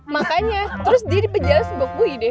makanya terus dia di penjara sebok bui deh